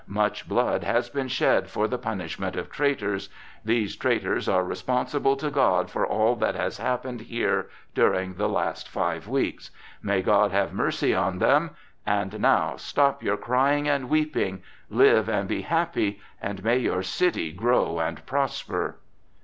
Much blood has been shed for the punishment of traitors. These traitors are responsible to God for all that has happened here during the last five weeks. May God have mercy on them. And now stop your crying and weeping! Live and be happy, and may your city grow and prosper!"